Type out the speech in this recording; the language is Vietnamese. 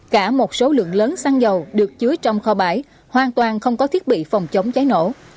cả một số lượng lớn xăng dầu được chứa trong kho bãi hoàn toàn không có thiết bị phòng chống cháy nổ